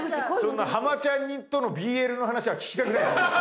そんなハマちゃん似とのＢＬの話は聞きたくないです